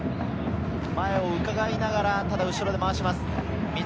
前を伺いながら後ろで回します。